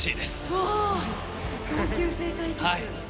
うわ同級生対決。